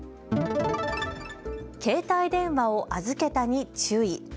携帯電話を預けたに注意。